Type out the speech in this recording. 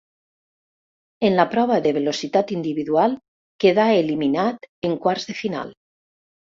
En la prova de velocitat individual quedà eliminat en quarts de final.